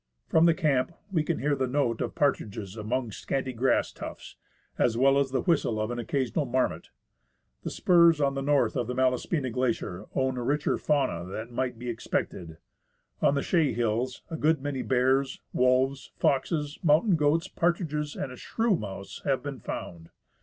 From the camp we can hear the note of partridges among scanty grass tufts, as well as the whistle of an occasional marmot. The spurs on the north of the Malaspina Glacier own a richer fauna than might be expected. On the Chaix Hills a good many bears, wolves, foxes, mountain goats, partridges, and a shrew mouse have been found.